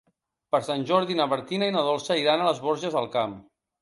Per Sant Jordi na Martina i na Dolça iran a les Borges del Camp.